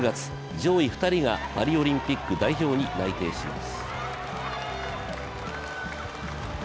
上位２人がパリオリンピック代表に内定します。